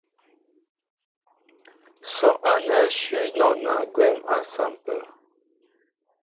Sɔ́' ánɛ́ shʉ́ nɔna gwɛ̌m á saḿpə.